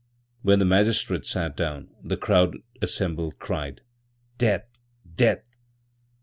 When the magistrate sat down the crowd assembled cried: "Death! death!"